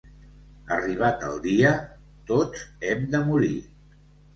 Arribat el dia tots hem de morir.